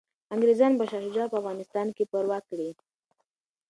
انګریزان به شاه شجاع په افغانستان کي پرواک کړي.